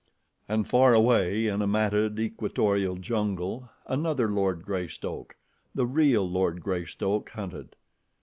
And far away in a matted equatorial jungle another Lord Greystoke, the real Lord Greystoke, hunted.